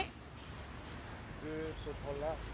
คือสุดทนแล้ว